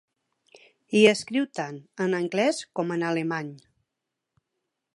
Hi escriu tant en anglès com en alemany.